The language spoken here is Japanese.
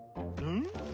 ん？